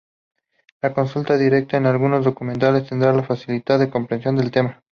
La consulta directa de algunos documentos tendría que facilitar la comprensión del tema.